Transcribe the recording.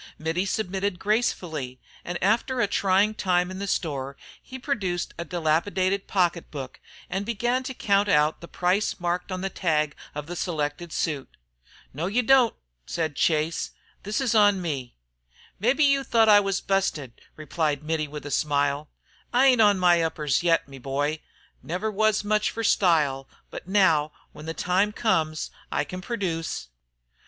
Mittie submitted gracefully, and after a trying time in the store he produced a dilapidated pocket book and began to count out the price marked on the tag of the selected suit. "No, you don't," said Chase, "this is on me." "Mebbe you tho't I was busted," replied Mittie, with a smile. "I ain't on my uppers yet, me boy. Never was much fer style, but, now when the time comes, I can produce."